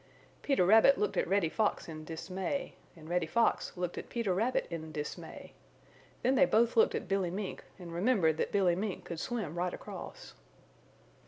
Peter Rabbit looked at Reddy Fox in dismay, and Reddy Fox looked at Peter Rabbit in dismay. Then they both looked at Billy Mink and remembered that Billy Mink could swim right across.